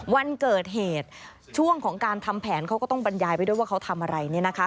วันเกิดเหตุช่วงของการทำแผนเขาก็ต้องบรรยายไปด้วยว่าเขาทำอะไร